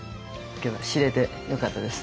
今日は知れてよかったです。